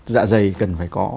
dạ dày cần phải có